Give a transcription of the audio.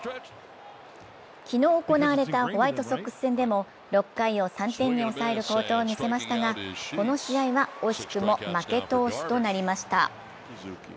昨日行われたホワイトソックス戦でも６回を３点に抑える好投を見せましたがこの試合は惜しくも負け投手となりました。